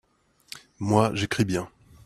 moi, j'écris bien.